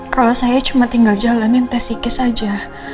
kalau saya cuma tinggal jalanin tes psikis saja